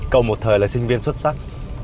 cậu một thời là sinh viên xuất sắc